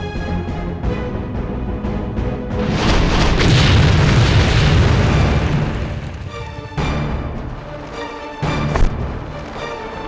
yang tempatnya banyak virah